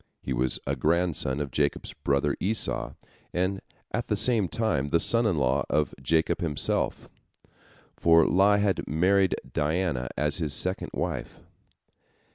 He was a grandson of Jacob's brother Esau, and at the same time the son in law of Jacob himself, for lie had married Dinah as his second wife.